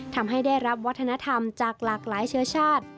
ทำให้ได้รับวัฒนธรรมจากหลากหลายเชื้อชาติ